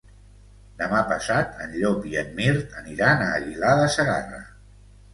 Demà passat en Llop i en Mirt aniran a Aguilar de Segarra.